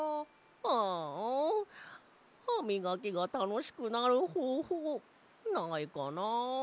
ああハミガキがたのしくなるほうほうないかな。